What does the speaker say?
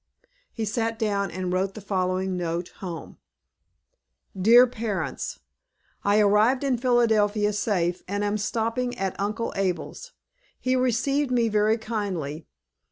He sat down and wrote the following note, home: "DEAR PARENTS: "I arrived in Philadelphia safe, and am stopping at Uncle Abel's. He received me very kindly.